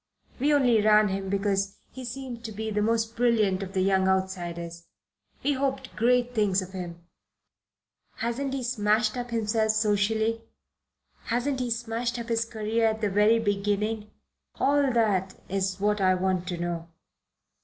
We only ran him because he seemed to be the most brilliant of the young outsiders. We hoped great things of him. Hasn't he smashed up himself socially? Hasn't he smashed up his career at the very beginning? All that is what I want to know."